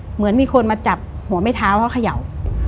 เหมือนมีคนมาจับหัวไม่เท้าเขาเขย่า